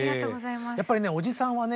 やっぱりねおじさんはね